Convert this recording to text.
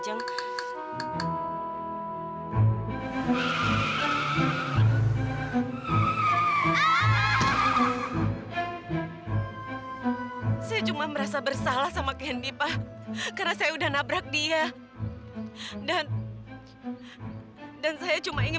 jam saya cuma merasa bersalah sama kendi pak karena saya udah nabrak dia dan dan saya cuma ingin